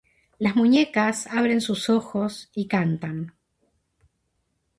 Las muñecas abren sus ojos y cantan.